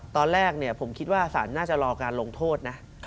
ตอนแรกผมคิดว่าศาลน่าจะรอการลงโทษนะ